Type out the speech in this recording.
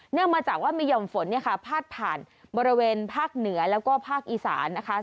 มาจากว่ามีห่อมฝนเนี่ยค่ะพาดผ่านบริเวณภาคเหนือแล้วก็ภาคอีสานนะคะ